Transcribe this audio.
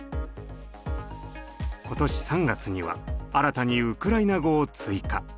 今年３月には新たにウクライナ語を追加。